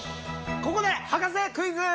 ここで博士クイズ！